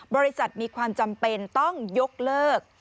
บริษัทมีความจำเป็นต้องยกเลิก